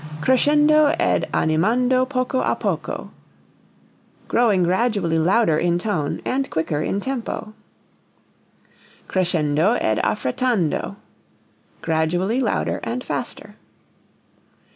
Crescendo ed animando poco a poco growing gradually louder in tone and quicker in tempo. Crescendo ed affrettando gradually louder and faster.